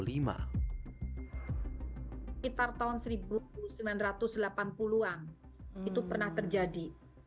sekitar tahun seribu sembilan ratus delapan puluh an itu pernah terjadi